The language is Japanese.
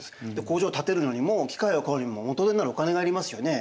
工場を建てるのにも機械を買うにも元手になるお金がいりますよね。